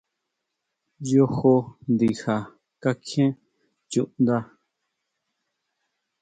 Yojo ndija kakjién chuʼnda.